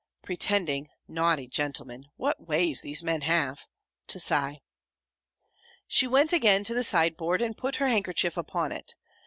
pretending (naughty gentleman! What ways these men have!) to sigh. She went again to the side board, and put her handkerchief upon it.